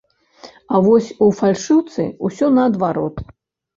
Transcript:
А вось у фальшыўцы ўсё наадварот.